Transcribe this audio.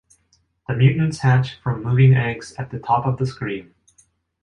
The mutants hatch from moving eggs at the top of the screen.